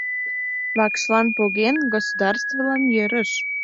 Вакшлан поген — государствылан йӧрыш».